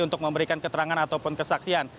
untuk memberikan keterangan ataupun kesaksian